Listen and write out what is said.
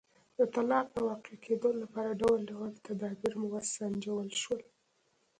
د طلاق د واقع کېدو لپاره ډول ډول تدابیر وسنجول شول.